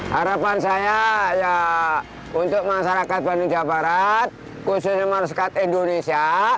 harapan saya ya untuk masyarakat bandung jawa barat khususnya masyarakat indonesia